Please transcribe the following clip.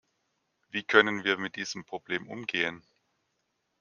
Wie können wir mit diesem Problem umgehen?